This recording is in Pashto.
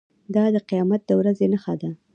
دا د قیامت د ورځې نښه ده.